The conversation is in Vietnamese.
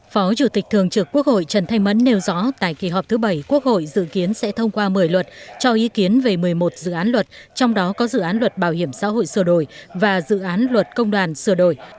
phó chủ tịch thường trực quốc hội trần thanh mẫn nêu rõ tại kỳ họp thứ bảy quốc hội dự kiến sẽ thông qua một mươi luật cho ý kiến về một mươi một dự án luật trong đó có dự án luật bảo hiểm xã hội sửa đổi và dự án luật công đoàn sửa đổi